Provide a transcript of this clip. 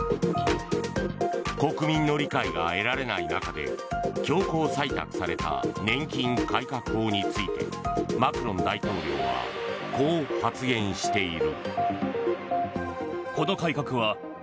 国民の理解が得られない中で強行採択された年金改革法についてマクロン大統領はこう発言している。